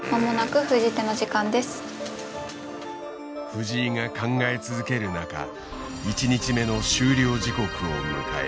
藤井が考え続ける中１日目の終了時刻を迎える。